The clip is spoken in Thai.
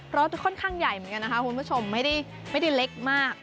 รสค่อนข้างใหญ่เหมือนกันนะคะคุณผู้ชมไม่ได้เล็กมาก